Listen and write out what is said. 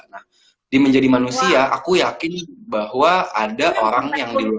jadi menjadi manusia aku yakin bahwa ada orang yang di luar sana